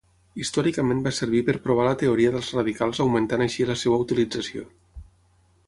Històricament va servir per provar la teoria dels radicals augmentant així la seva utilització.